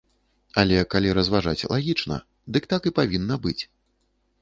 Але, калі разважаць лагічна, дык так і павінна быць.